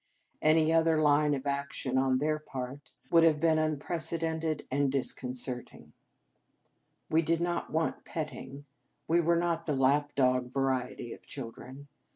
Any other line of action on their part would have been 220 The Game of Love unprecedented and disconcerting. We did not want petting. We were not the lap dog variety of children.